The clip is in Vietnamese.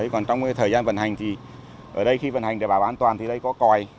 còn trong thời gian vận hành thì ở đây khi vận hành để bảo an toàn thì đây có còi